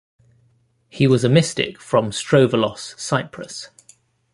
He was a mystic from Strovolos, Cyprus.